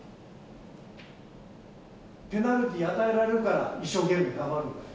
ペナルティー与えられるから一生懸命頑張るんかい？